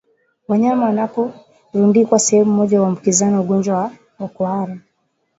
Wanyama wanaporundikwa sehemu moja huambukizana ugonjwa wa kuhara